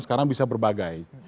sekarang bisa berbagai